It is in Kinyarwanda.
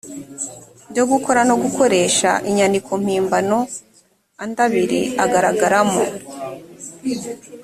byo gukora no gukoresha inyandiko mpimbano andi abiri agaragaramo